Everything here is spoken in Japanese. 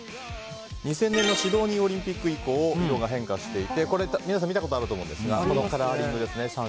２０００年のシドニーオリンピック以降色が変化していて皆さん見たことあると思うんですがこのカラーリングですね。